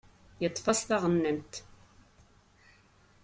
Yeṭṭef-as taɣennant.